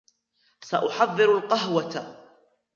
سأحضّر القهوة.